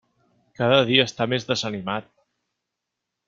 Cada dia està més desanimat.